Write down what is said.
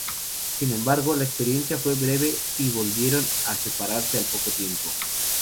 Sin embargo, la experiencia fue breve y volvieron a separarse al poco tiempo.